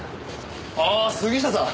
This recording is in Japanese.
あ杉下さん！